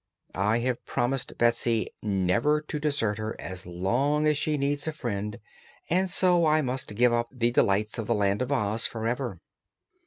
I have promised Betsy never to desert her as long as she needs a friend, and so I must give up the delights of the Land of Oz forever."